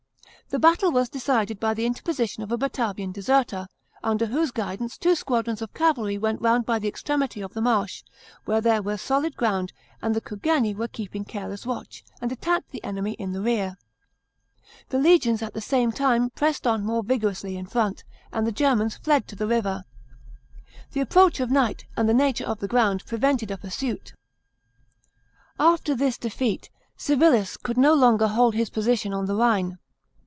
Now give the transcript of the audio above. The battle was decided by the interposition of a Batavian deserter, under whose guidance two squadrons of cavalry went round by the extremity of the marsh, where there .was solid ground and the Cugerni were keeping careless wntch, and attacked the enemy in the rear. The legions at the same time pressed on more vigorously in front, and the Germans Hed to the 70 A.I). BATTLE OF VETERA. river. The approach of night and the nature of the ground pre vented a pursuit. § 13. After this defeat Civilis could no longer hold his position on the Rhine.